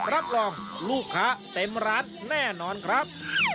รับรองลูกค้าเต็มร้านแน่นอนครับ